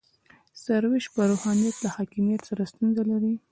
سروش پر روحانیت له حاکمیت سره ستونزه لري.